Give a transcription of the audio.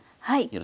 はい。